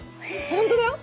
本当だよ！